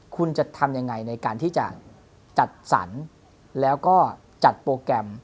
คุณจะทำยังไงในการที่จะจัดสรรแล้วก็จัดโปรแกรม